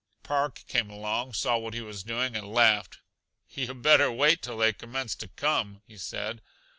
Park came along, saw what he was doing and laughed. "Yuh better wait till they commence to come," he said.